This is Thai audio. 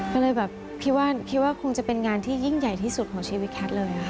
ก็เลยแบบคิดว่าคงจะเป็นงานที่ยิ่งใหญ่ที่สุดของชีวิตแคทเลยค่ะ